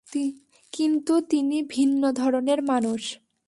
কিন্তু তিনি ভিন্ন ধরনের মানুষ।